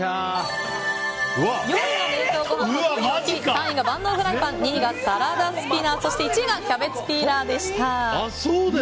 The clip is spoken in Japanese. ４位が冷凍ごはん保存容器３位が万能フライパン２位がサラダスピナーそして１位がキャベツピーラーでした。